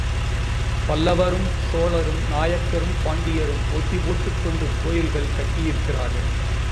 பல்லவரும் சோழரும் நாயக்கரும் பாண்டியரும் போட்டி போட்டுக் கொண்டு கோயில்கள் கட்டியிருக்கிறார்கள்.